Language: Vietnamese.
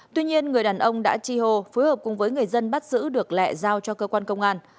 tuy nhiên người đàn ông đã chi hô phối hợp cùng với người dân bắt giữ được lẹ giao cho cơ quan công an